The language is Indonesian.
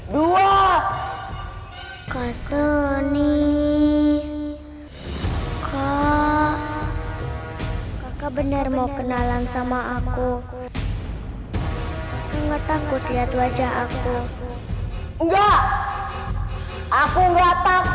dua kau sony kau kau bener mau kenalan sama aku aku nggak takut lihat wajah aku enggak aku nggak takut